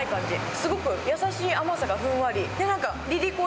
すごく優しい甘さがふんわり。